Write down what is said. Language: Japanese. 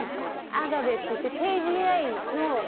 アガベっていって。